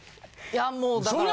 いやもうだから。